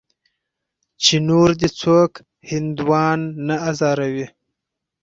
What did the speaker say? چې نور دې څوک هندوان نه ازاروي.